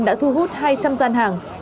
đã thu hút hai trăm linh gian hàng